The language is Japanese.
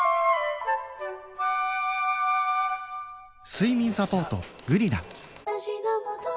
睡眠サポート「グリナ」